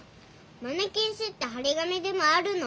マネきん止ってはり紙でもあるの？